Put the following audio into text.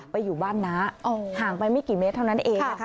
อยู่บ้านน้าห่างไปไม่กี่เมตรเท่านั้นเองนะคะ